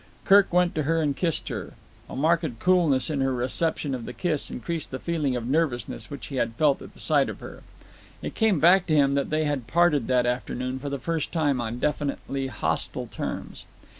Kirk went to her and kissed her. A marked coolness in her reception of the kiss increased the feeling of nervousness which he had felt at the sight of her. It came back to him that they had parted that afternoon, for the first time, on definitely hostile terms.